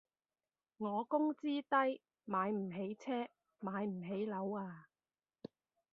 我工資低，買唔起車買唔起樓啊